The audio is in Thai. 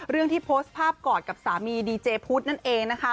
ที่โพสต์ภาพกอดกับสามีดีเจพุทธนั่นเองนะคะ